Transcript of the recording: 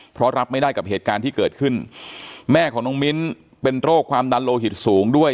เพราะรับไม่ได้กับเหตุการณ์ที่เกิดขึ้นแม่ของน้องมิ้นเป็นโรคความดันโลหิตสูงด้วย